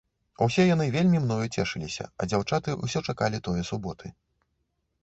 Усе яны вельмі мною цешыліся, а дзяўчаты ўсе чакалі тое суботы.